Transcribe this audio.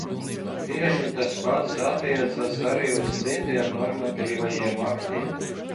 Tieši tas pats attiecas arī uz citiem normatīvajiem aktiem.